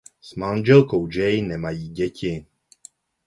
S manželkou Joy nemají děti.